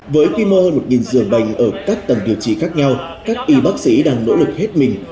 với quy mô hơn một giường bệnh ở các tầng điều trị khác nhau các y bác sĩ đang nỗ lực hết mình